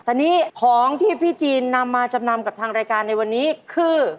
ตอนนี้ของที่พี่จีนนำมาจำนำกับทางรายการในวันนี้คือ